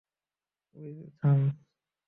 Will, থাম।